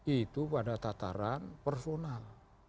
itu pada tataran personal